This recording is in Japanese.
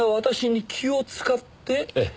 ええ。